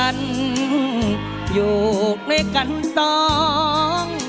เรารักกันอยู่กันต้องโทษคนเพราะความจนต่างดินร้อนห้างาน